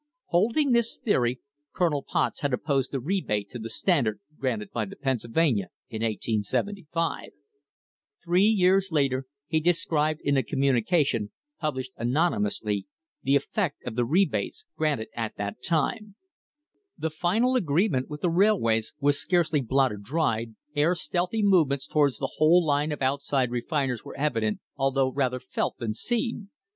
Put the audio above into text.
* Holding this theory, Colonel Potts had opposed the rebate to the Standard granted by the Pennsylvania in 1875. Three years later he described in a communication, published anony mously, the effect of the rebates granted at that time :" The final agreement with the railways was scarcely blotter dried ere stealthy move ments toward the whole line of outside refiners were evident, although rather felt than seen.